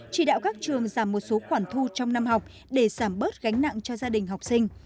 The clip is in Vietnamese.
chỉ đạo các trường giảm một số khoản thu trong năm học để giảm bớt gánh nặng cho gia đình học sinh